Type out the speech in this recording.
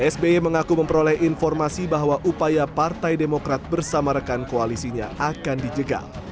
sby mengaku memperoleh informasi bahwa upaya partai demokrat bersama rekan koalisinya akan dijegal